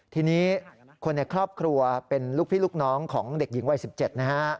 ทีนี้คนในครอบครัวเป็นลูกพี่ลูกน้องของเด็กหญิงวัย๑๗นะฮะ